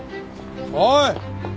おい！